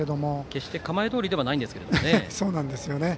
決して構えどおりではないんですけどね。